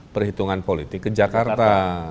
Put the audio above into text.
perhitungan politik ke jakarta